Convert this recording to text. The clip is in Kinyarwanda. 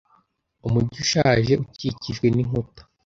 Umujyi ushaje ukikijwe n'inkuta.